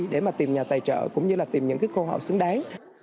để mà tìm nhà tài trợ cũng như là tìm những cô họ xứng đáng